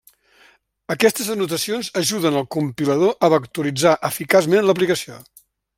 Aquestes anotacions ajuden al compilador a vectoritzar eficaçment l'aplicació.